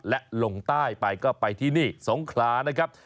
และลงใต้ไปก็ไปที่นี่สงขลานะครับ